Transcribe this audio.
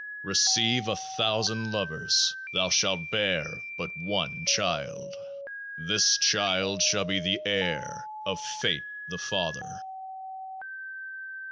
Receive a thousand lovers ; thou shalt bear but One Child. This child shall be the heir of Fate the Father.